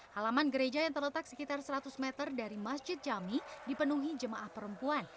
halaman gereja yang terletak sekitar seratus meter dari masjid jami dipenuhi jemaah perempuan